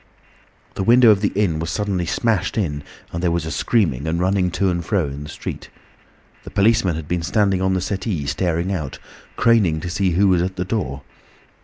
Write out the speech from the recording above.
The window of the inn was suddenly smashed in, and there was a screaming and running to and fro in the street. The policeman had been standing on the settee staring out, craning to see who was at the door.